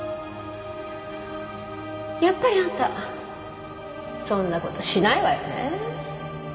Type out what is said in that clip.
やっぱりあんたそんなことしないわよねえ